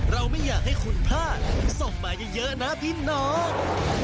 เราไม่อยากให้คุณพลาดส่งมาเยอะนะพี่น้อง